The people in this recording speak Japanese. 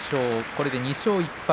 これで２勝１敗。